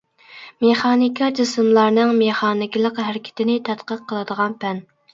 مېخانىكا جىسىملارنىڭ مېخانىكىلىق ھەرىكىتىنى تەتقىق قىلىدىغان پەن.